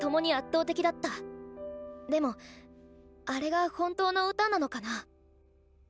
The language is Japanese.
でもあれが本当の歌なのかな。